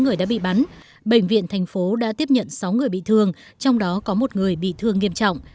người đã bị bắn bệnh viện thành phố đã tiếp nhận sáu người bị thương trong đó có một người bị thương nghiêm trọng